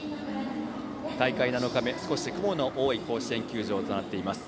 大会７日目、少し雲の多い甲子園球場となっています。